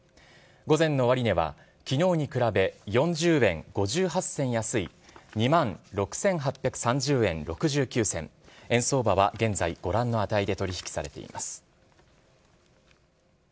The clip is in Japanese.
午前の終値は、きのうに比べ４０円５８銭安い、２万６８３０円６９銭、円相場は現在、ご覧の値で取り引きされています。